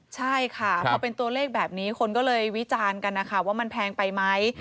ใช่ค่ะพอเป็นตัวเลขแบบนี้คนก็เลยวิจารณ์กันนะคะว่ามันแพงไปไหม